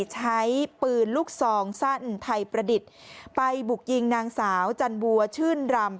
ใช้ปืนลูกซองสั้นไทยประดิษฐ์ไปบุกยิงนางสาวจันบัวชื่นรำ